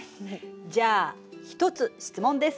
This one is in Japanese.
じゃあ１つ質問です。